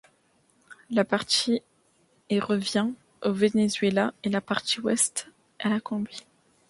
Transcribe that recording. La partie est revient au Venezuela et la partie ouest à la Colombie.